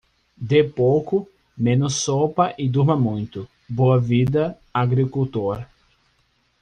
Dê pouco, menos sopa e durma muito, boa vida, agricultor.